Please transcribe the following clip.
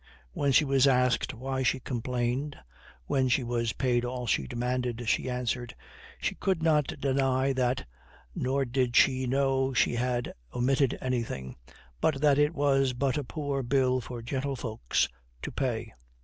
When she was asked why she complained, when she was paid all she demanded, she answered, "she could not deny that, nor did she know she had omitted anything; but that it was but a poor bill for gentle folks to pay."